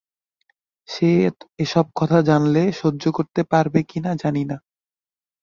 সে এসব কথা জানলে সহ্য করতে পারবে কিনা জানি না।